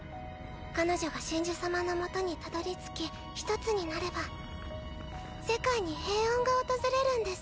彼女が神樹様のもとにたどりつき一つになれば世界に平穏が訪れるんです。